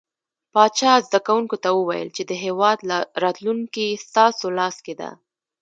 پاچا زده کوونکو ته وويل چې د هيواد راتلونکې ستاسو لاس کې ده .